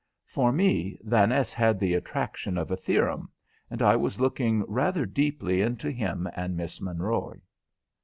For me Vaness had the attraction of a theorem, and I was looking rather deeply into him and Miss Monroy.